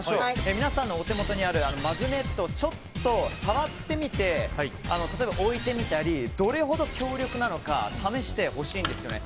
皆さんのお手元にあるマグネットちょっと触ってみて例えば、置いてみたりどれほど強力なのか試してほしいんですよね。